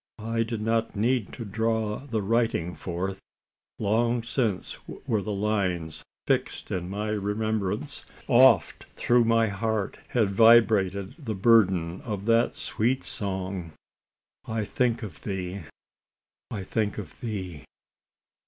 I did not need to draw the writing forth. Long since were the lines fixed in my remembrance oft through my heart had vibrated the burden of that sweet song: "I think of thee I think of thee!"